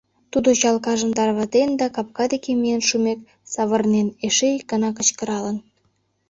Тудо Чалкажым тарватен да, капка деке миен шумек, савырнен, эше ик гана кычкыралын: